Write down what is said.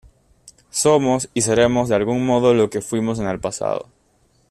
Somos y seremos de algún modo lo que fuimos en el pasado.